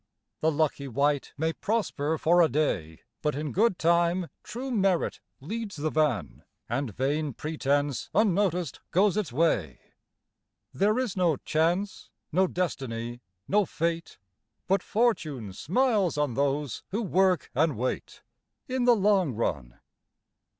The lucky wight may prosper for a day, But in good time true merit leads the van And vain pretence, unnoticed, goes its way. There is no Chance, no Destiny, no Fate, But Fortune smiles on those who work and wait, In the long run.